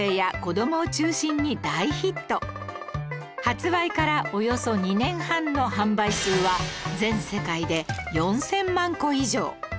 発売からおよそ２年半の販売数は全世界で４０００万個以上！